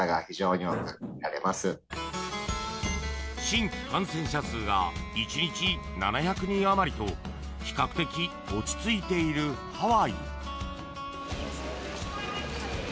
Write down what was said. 新規感染者数が１日７００人余りと比較的落ち着いているハワイ。